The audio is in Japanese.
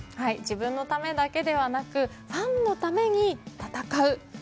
自分のためだけではなくファンのために戦う。